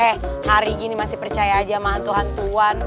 eh hari gini masih percaya aja sama hantu hantuan